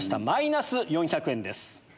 マイナス４００円です。